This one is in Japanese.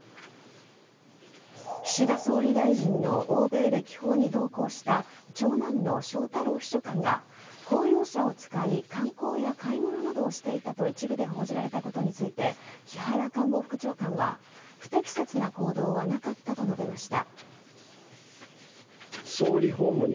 岸田総理大臣の欧米歴訪に同行した長男の翔太郎秘書官が公用車を使い観光や買い物などをしていたと一部で報じられたことについて木原官房副長官は不適切な行動はなかったと述べました。